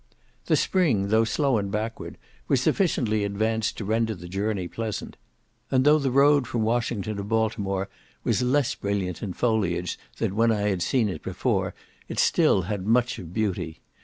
The spring, though slow and backward, was sufficiently advanced to render the journey pleasant; and though the road from Washington to Baltimore was less brilliant in foliage than when I had seen it before, it still had much of beauty.